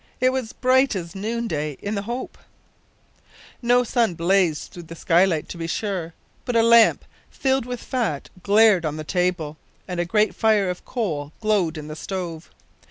it was bright as noon day in the Hope! No sun blazed through the skylight, to be sure, but a lamp, filled with fat, glared on the table, and a great fire of coal glowed in the stove.